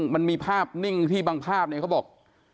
มันมีภาพนิ่งที่บางภาพเนี่ยเขาบอก